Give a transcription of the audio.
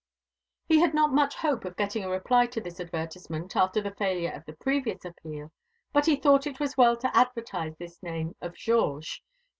He had not much hope of getting a reply to this advertisement, after the failure of the previous appeal, but he thought it was well to advertise this name of Georges.